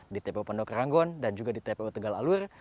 di tpu pondok ranggon dan juga di tpu tegal alur